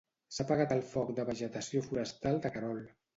S'ha apagat el foc de vegetació forestal de Querol.